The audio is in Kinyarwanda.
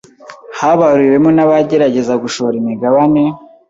habariwemo n’abagerageza gushora imigabane